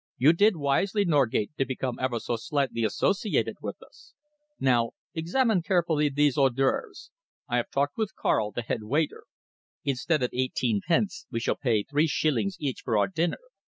You did wisely, Norgate, to become ever so slightly associated with us. Now examine carefully these hors d'oeuvres. I have talked with Karl, the head waiter. Instead of eighteen pence, we shall pay three shillings each for our dinner.